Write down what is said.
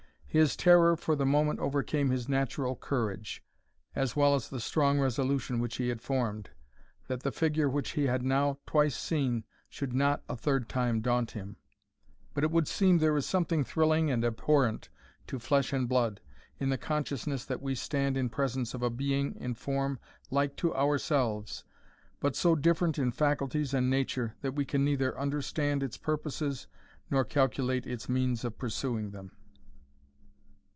His terror for the moment overcame his natural courage, as well as the strong resolution which he had formed, that the figure which he had now twice seen should not a third time daunt him. But it would seem there is something thrilling and abhorrent to flesh and blood, in the consciousness that we stand in presence of a being in form like to ourselves, but so different in faculties and nature, that we can neither understand its purposes, nor calculate its means of pursuing them.